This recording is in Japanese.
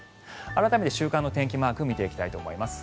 改めて週間の天気をマークで見ていきたいと思います。